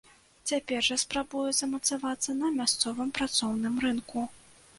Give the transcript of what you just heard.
Цяпер жа спрабуе замацавацца на мясцовым працоўным рынку.